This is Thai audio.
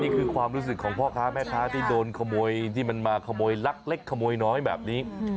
นี่คือความรู้สึกของพ่อค้าแม่ค้าที่โดนขโมยที่มันมาขโมยลักเล็กขโมยน้อยแบบนี้